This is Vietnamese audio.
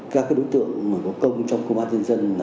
các đối tượng có công trong công an nhân dân